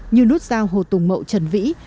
như nút sao hồ tùng mậu trần vĩ